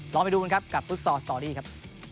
ลองไปดูกันครับกับฟุตซอลสตอรี่ครับ